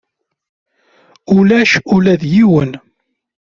Ulac ula d yiwen.